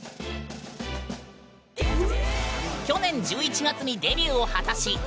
去年１１月にデビューを果たし